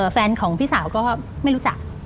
แฟนของพี่สาวก็ไม่รู้จัก